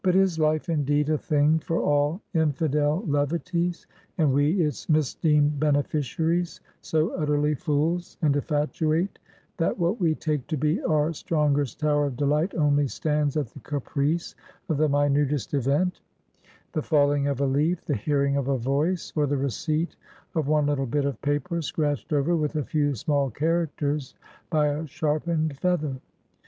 But is life, indeed, a thing for all infidel levities, and we, its misdeemed beneficiaries, so utterly fools and infatuate, that what we take to be our strongest tower of delight, only stands at the caprice of the minutest event the falling of a leaf, the hearing of a voice, or the receipt of one little bit of paper scratched over with a few small characters by a sharpened feather?